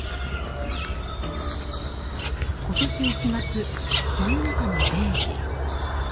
今年１月、真夜中の０時。